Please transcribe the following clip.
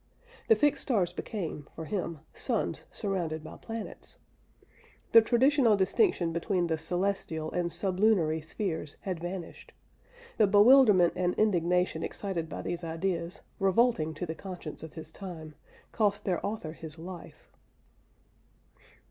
The fixed stars became, for him, suns surrounded by planets. The traditional distinction between the celestial and sublunary spheres had vanished. The bewilderment and indignation excited by these ideas, revolting to the conscience of his time, cost their author his life.